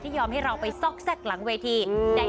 ยอมให้เราไปซอกแทรกหลังเวที